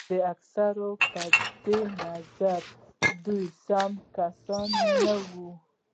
د اکثرو په نظر دوی سم کسان نه وو.